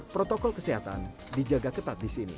protokol kesehatan dijaga ketat di sini